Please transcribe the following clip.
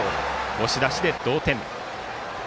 押し出しで同点。